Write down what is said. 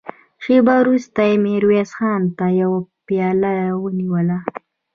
شېبه وروسته يې ميرويس خان ته يوه پياله ونيوله.